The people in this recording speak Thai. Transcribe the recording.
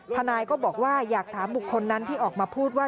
ทนายก็บอกว่าอยากถามบุคคลนั้นที่ออกมาพูดว่า